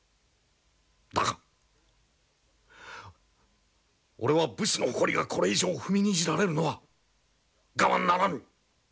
だが俺は武士の誇りがこれ以上踏みにじられるのは我慢ならぬ！